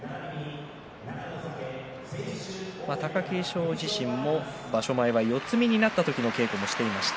貴景勝自身も場所前は四つ身になった時の稽古をしていました。